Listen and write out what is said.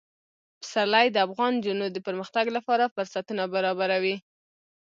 پسرلی د افغان نجونو د پرمختګ لپاره فرصتونه برابروي.